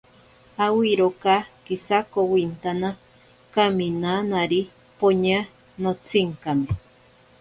Awiroka kisakowintana, kaminanari poña notsinkame.